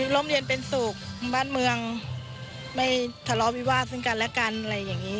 โรงเรียนเป็นสุขบ้านเมืองไม่ทะเลาะวิวาสซึ่งกันและกันอะไรอย่างนี้